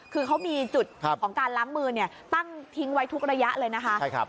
คือเขามีจุดของการล้างมือตั้งทิ้งไว้ทุกระยะเลยนะคะ